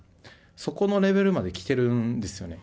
そこのレベルまで来ているんですよね。